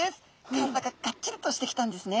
体ががっちりとしてきたんですね。